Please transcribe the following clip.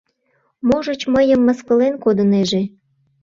— Можыч, мыйым мыскылен кодынеже.